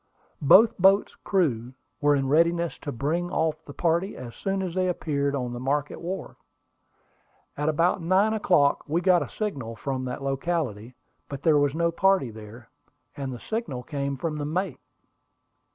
Both boats' crews were in readiness to bring off the party as soon as they appeared on the Market Wharf. About nine o'clock we got a signal from that locality, but there was no party there, and the signal came from the mate.